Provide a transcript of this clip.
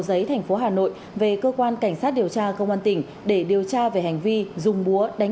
giấy thành phố hà nội về cơ quan cảnh sát điều tra công an tỉnh để điều tra về hành vi dùng búa đánh